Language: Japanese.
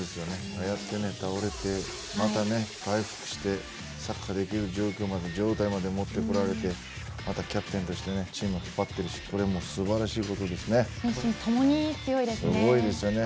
ああやって、倒れてまた回復してサッカーができる状況まで状態までもってこられてまたキャプテンとしてチームを引っ張っているし心身ともに強いですよね。